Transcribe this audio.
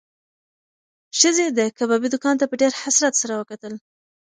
ښځې د کبابي دوکان ته په ډېر حسرت سره وکتل.